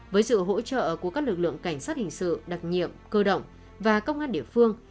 với sự hỗ trợ của các lực lượng cảnh sát hình sự đặc nhiệm cơ động và công an địa phương